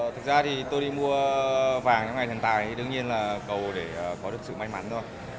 thực ra thì tôi đi mua vàng ngày vía thần tài thì đương nhiên là cầu để có được sự may mắn thôi